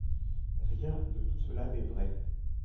Rien de tout cela n’est vrai.